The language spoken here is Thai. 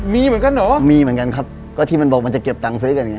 มีเหมือนกันเหรอมีเหมือนกันครับก็ที่มันบอกมันจะเก็บตังค์ซื้อกันอย่างนี้